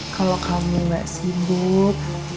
kalau kamu gak sibuk